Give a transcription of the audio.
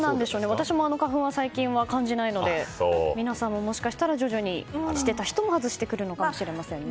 私も花粉は最近は感じないので皆さんも、もしかしたら徐々に、していた人も外してくるのかもしれませんね。